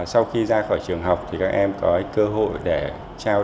sau khi ra khỏi trường học thì các em có cơ hội để trao